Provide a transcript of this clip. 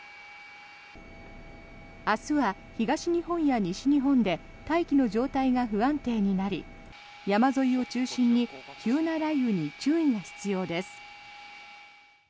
明日は東日本や西日本で大気の状態が不安定になり山沿いを中心に急な雷雨に注意が必要です。